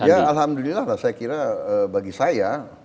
ya alhamdulillah lah saya kira bagi saya